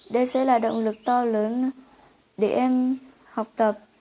đây sẽ là động lực to lớn để em học tập